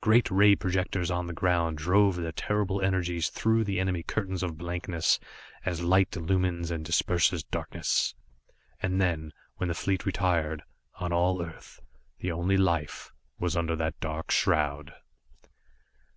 Great ray projectors on the ground drove their terrible energies through the enemy curtains of blankness, as light illumines and disperses darkness. And then, when the fleet retired, on all Earth, the only life was under that dark shroud!